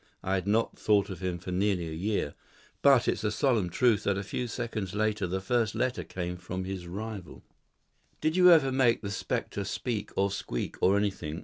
I had not thought of him for nearly a year. But it's a solemn truth that a few seconds later the first letter came from his rival." "Did you ever make the spectre speak or squeak, or anything?"